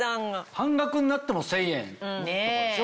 半額になっても１０００円とかでしょ？